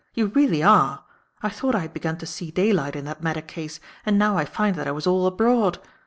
You really are! I thought I had begun to see daylight in that Maddock case, and now I find that I was all abroad.